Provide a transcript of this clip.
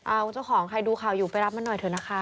เอาเจ้าของใครดูข่าวอยู่ไปรับมันหน่อยเถอะนะคะ